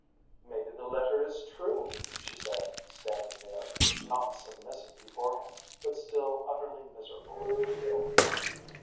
"Maybe the letter is true," she said standing there, not submissive before him, but still utterly miserable in her guilt.